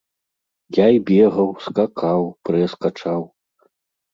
Я і бегаў, скакаў, прэс качаў.